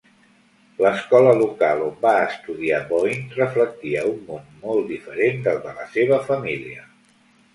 L'escola local on va estudiar Boine reflectia un món molt diferent del de la seva família.